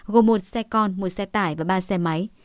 gồm một xe con một xe tải và ba xe máy